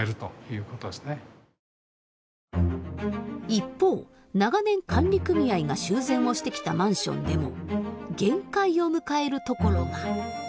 一方長年管理組合が修繕をしてきたマンションでも限界を迎えるところが。